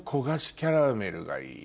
キャラメルがいい。